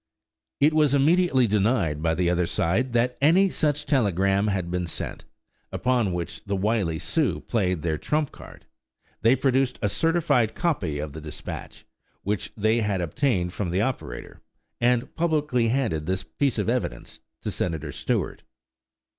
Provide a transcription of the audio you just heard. It was immediately denied by the other side that any such telegram had been sent, upon which the wily Sioux played their trump card: they produced a certified copy of the dispatch which they had obtained from the operator, and publicly handed this piece of evidence to Senator Stewart.